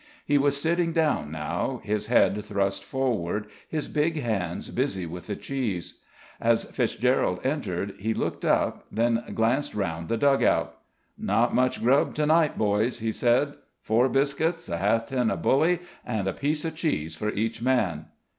He was sitting down now, his head thrust forward, his big hands busy with the cheese. As Fitzgerald entered he looked up, then glanced round the dug out. "Not much grub to night, boys," he said. "Four biscuits, a half a tin of bully and a piece of cheese for each man."